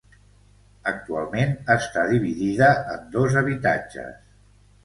Actualment està dividida en dos habitatges.